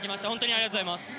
ありがとうございます。